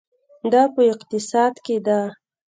دا په اقتصاد کې ده.